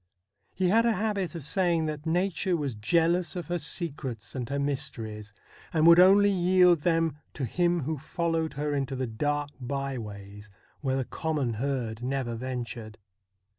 He had a habit of saying that nature was jealous of her secrets and her mysteries, and would only yield them to him who followed her into the dark by ways where the common herd never ventured.